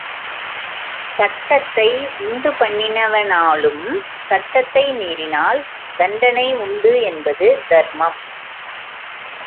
சட்டத்தை உண்டுபண்ணினவனாலும் சட்டத்தை மீறினால் தண்டனை உண்டு என்பது தர்மம்.